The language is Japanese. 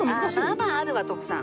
まあまああるわ徳さん。